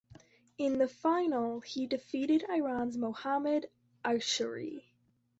In the final he defeated Iran's Mohamed Asheri.